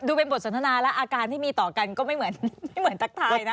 ดูเป็นบทสนทนาและอาการที่มีต่อกันก็ไม่เหมือนทักทายนะ